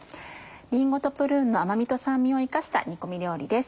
りんごとプルーンの甘味と酸味を生かした煮込み料理です。